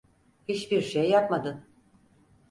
Hiçbir şey yapmadın.